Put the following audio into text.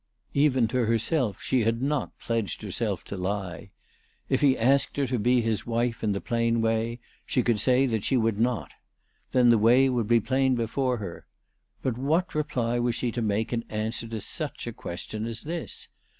Even to herself, 416 ALICE DTJGDALE. she had not pledged herself to lie. If lie asked her to be his wife in the plain way, she could say that she would not. Then the way would be plain before her. But what reply was she to make in answer to such a question as this?